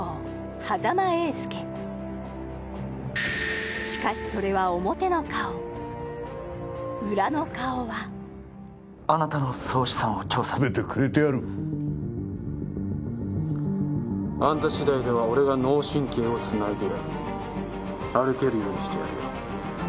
波佐間永介しかしそれは表の顔裏の顔はあなたの総資産を調査したところあんた次第では俺が脳神経をつないでやる歩けるようにしてやるよ